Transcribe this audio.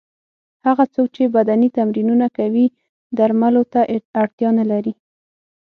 هغه څوک چې بدني تمرینونه کوي درملو ته اړتیا نه لري.